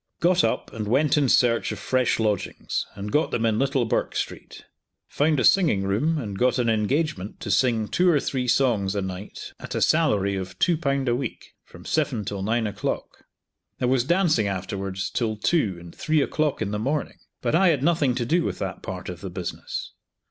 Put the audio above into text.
Got up and went in search of fresh lodgings, and got them in Little Bourke street. Found a singing room, and got an engagement to sing two or three songs a night at a salary of two pound a week, from seven till nine o'clock. There was dancing afterwards till two and three o'clock in the morning, but I had nothing to do with that part of the business.